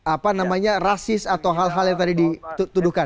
apa namanya rasis atau hal hal yang tadi dituduhkan